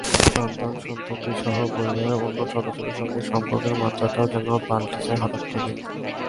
সন্তান-সন্ততিসহ পরিবারের অন্য সদস্যদের সঙ্গে সম্পর্কের মাত্রাটাও যেন পালটে যায় হঠাত্ করেই।